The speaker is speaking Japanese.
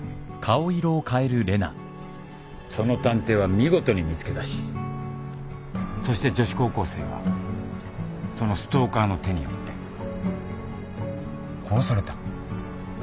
その探偵は見事に見つけだしそして女子高校生はそのストーカーの手によって殺された。